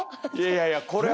いやいやこれは。